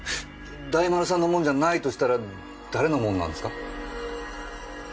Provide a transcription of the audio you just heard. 大丸さんのもんじゃないとしたら誰のもんなんですか？